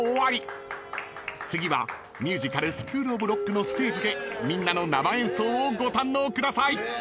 ［次はミュージカル『スクールオブロック』のステージでみんなの生演奏をご堪能ください］